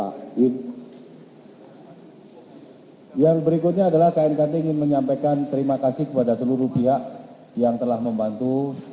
ketua knkt ingin menyampaikan terima kasih kepada seluruh pihak yang telah membantu